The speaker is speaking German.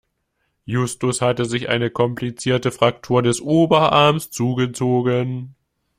Justus hatte sich eine komplizierte Fraktur des Oberarms zugezogen.